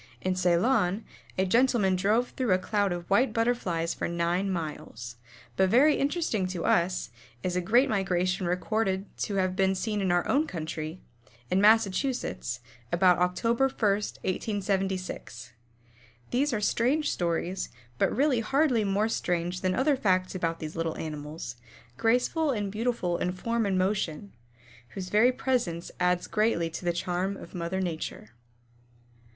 In Ceylon a gentlemen drove through a cloud of white Butterflies for nine miles. But very interesting to us, is a great migration recorded to have been seen in our own country, in Massachusetts, about Oct. 1, 1876. These are strange stories, but really hardly more strange than other facts about these little animals, graceful and beautiful in form and motion, whose very presence adds greatly to the charm of mother Nature.